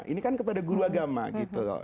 ini kan kepada guru agama gitu loh